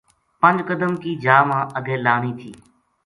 پنج قدم کی جا ما اگے لانی تھی۔